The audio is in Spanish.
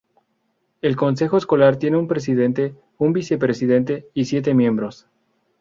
El consejo escolar tiene un presidente, un vicepresidente y siete miembros.